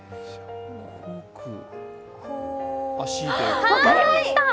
足で分かりました！